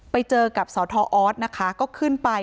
ไปเจอกับสทออสนะคะก็ขึ้นไป